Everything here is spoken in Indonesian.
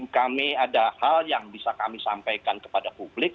kami ada hal yang bisa kami sampaikan kepada publik